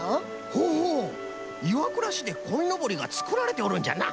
ほほう岩倉市でこいのぼりがつくられておるんじゃな。